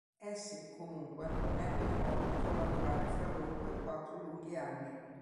Essi, comunque non ebbero modo di collaborare fra loro per quattro lunghi anni.